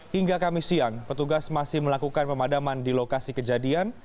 hingga kamis siang petugas masih melakukan pemadaman di lokasi kejadian